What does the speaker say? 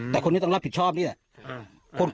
แต่คนที่ต้องรับผิดชอบนี่แหละ